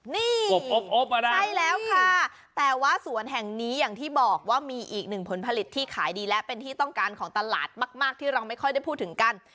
นี่อบมานะใช่แล้วค่ะแต่ว่าสวนแห่งนี้อย่างที่บอกว่ามีอีกหนึ่งผลผลิตที่ขายดีและเป็นที่ต้องการของตลาดมากที่เราไม่ค่อยได้พูดถึงกัน